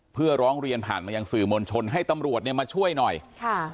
เพื่อร้องเรียนผ่านมายังสื่อมวลชนให้ตำรวจเนี่ยมาช่วยหน่อยค่ะ